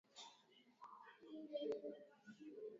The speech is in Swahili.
Ugonjwa wa figo za kondoo